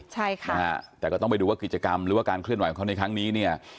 ใช่ค่ะนะฮะแต่ก็ต้องไปดูว่ากิจกรรมหรือว่าการเคลื่อนไหวของเขาในครั้งนี้เนี่ย